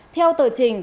theo tờ trình